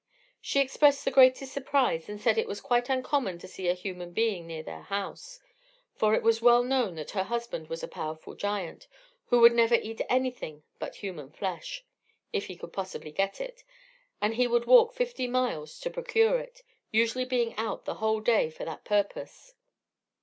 She expressed the greatest surprise, and said it was quite uncommon to see a human being near their house; for it was well known that her husband was a powerful giant, who would never eat anything but human flesh, if he could possibly get it; that he would walk fifty miles to procure it, usually being out the whole day for that purpose.